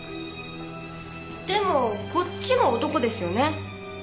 でもこっちも男ですよね？